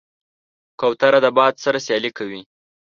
کوتره د باد سره سیالي کوي.